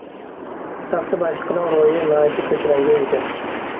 ساقچى باشلىقىنىڭ روھى ناھايىتى كۆتۈرەڭگۈ ئىدى.